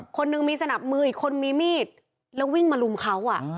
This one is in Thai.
คนหนึ่งมีสนับมืออีกคนมีมีดแล้ววิ่งมาลุมเขา